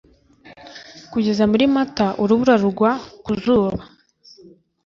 kugeza muri mata urubura rugwa ku zuba